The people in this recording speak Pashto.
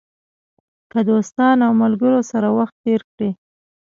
که دوستانو او ملګرو سره وخت تېر کړئ.